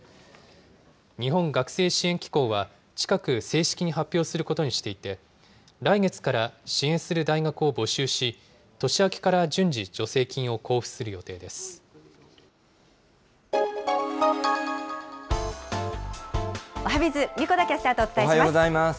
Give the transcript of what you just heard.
日本学生支援機構は近く、正式に発表することにしていて、来月から支援する大学を募集し、年明けから順次、おはＢｉｚ、おはようございます。